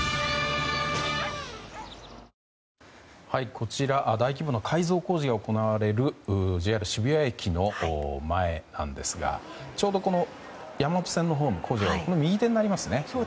こちら、大規模な改造工事が行われるＪＲ渋谷駅の前なんですがちょうど山手線のホーム右手になりますね。